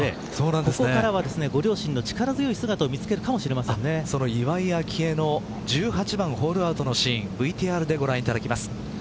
ここからはご両親の力強い姿その岩井明愛の１８番ホールアウトのシーンＶＴＲでご覧いただきます。